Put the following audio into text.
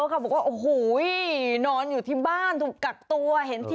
ว่าโหนอนอยู่ที่บ้านทุกษ์กักตัว